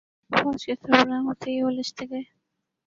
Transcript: فوج کے سربراہوں سے یہ الجھتے گئے۔